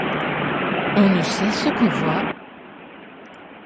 On ne sait ce qu’on voit.